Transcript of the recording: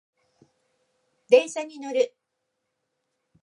電車に乗る